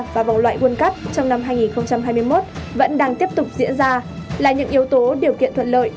và vòng loại world cup trong năm hai nghìn hai mươi một vẫn đang tiếp tục diễn ra là những yếu tố điều kiện thuận lợi